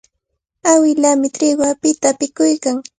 Awilaami triqu apita apikuykan.